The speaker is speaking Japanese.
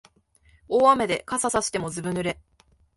大雨で傘さしてもずぶ濡れ